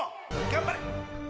頑張れ！